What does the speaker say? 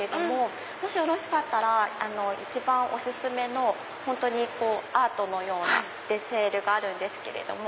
もしよろしかったら一番お薦めの本当にアートのようなデセールがあるんですけれども。